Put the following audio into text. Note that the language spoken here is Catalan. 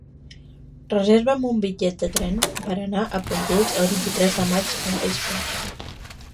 Reserva'm un bitllet de tren per anar a Pontils el vint-i-tres de maig al vespre.